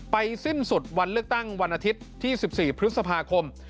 สิ้นสุดวันเลือกตั้งวันอาทิตย์ที่๑๔พฤษภาคม